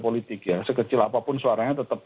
politik ya sekecil apapun suaranya tetap